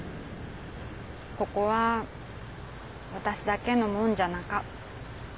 ここはわたしだけのもんじゃなか。